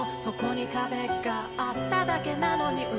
「そこに壁があっただけなのに」